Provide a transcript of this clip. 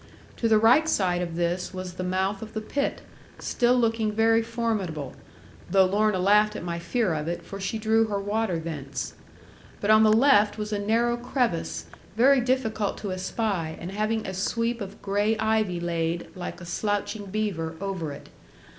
To the right side of this was the mouth of the pit, still looking very formidable; though Lorna laughed at my fear of it, for she drew her water thence. But on the left was a narrow crevice, very difficult to espy, and having a sweep of grey ivy laid, like a slouching beaver, over it.